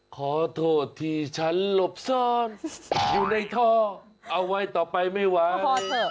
ขอโทษที่ฉันหลบซ่อนอยู่ในท่อเอาไว้ต่อไปไม่ไหว